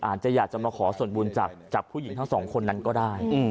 อาจจะอยากจะมาขอส่วนบุญจากผู้หญิงทั้งสองคนนั้นก็ได้